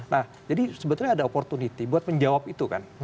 nah jadi sebetulnya ada opportunity buat menjawab itu kan